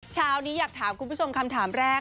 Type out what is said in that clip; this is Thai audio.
เช้านี้อยากถามคุณผู้ชมคำถามแรก